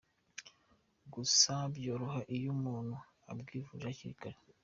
Gusa ngo byoroha iyo umuntu abwivuje hakiri kare.